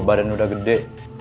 badan udah gede